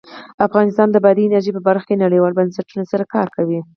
افغانستان د بادي انرژي په برخه کې نړیوالو بنسټونو سره کار کوي.